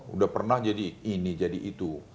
udah pernah jadi ini jadi itu